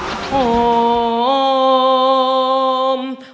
คือร้องได้